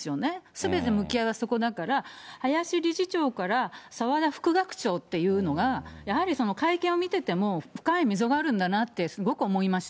すべてがそこだから、林理事長から澤田副学長っていうのが、やはり会見を見てても深い溝があるんだなって、すごく思いました。